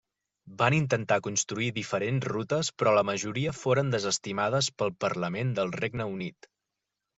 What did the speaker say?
Van intentar construir diferents rutes però la majoria foren desestimades pel Parlament del Regne Unit.